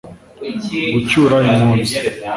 gucyura impunzi